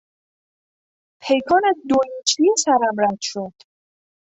پیکان از دو اینچی سرم رد شد.